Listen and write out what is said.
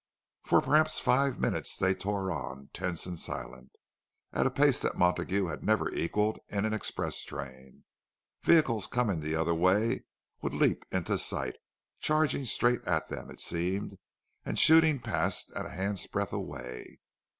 For perhaps five minutes they tore on, tense and silent, at a pace that Montague had never equalled in an express train. Vehicles coming the other way would leap into sight, charging straight at them, it seemed, and shooting past a hand's breadth away.